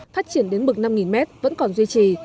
phát triển đến mực năm m vẫn còn duy trì